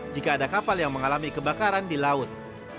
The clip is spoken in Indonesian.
jika ada kapal yang mengalami kebakaran di laut